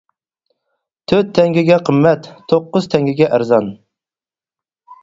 تۆت تەڭگىگە قىممەت، توققۇز تەڭگىگە ئەرزان.